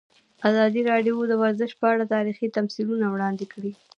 ازادي راډیو د ورزش په اړه تاریخي تمثیلونه وړاندې کړي.